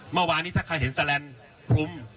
เมื่อวานนี้ถ้าใครเห็นแสลนด์คุม